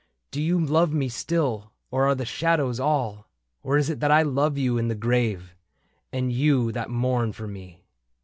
Do you love me still, or are the shadows all ? Or is it I that love you in the grave. And you that mourn for me